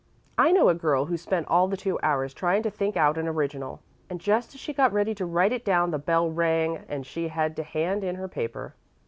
I know a girl who spent all the two hours trying to think out an original, and just as she got ready to write it down the bell rang and she had to hand in her paper."